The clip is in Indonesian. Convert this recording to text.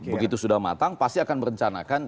begitu sudah matang pasti akan merencanakan